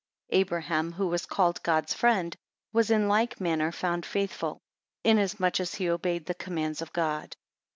4 Abraham, who was called God's friend, was in like manner found faithful; inasmuch as he obeyed the commands of God.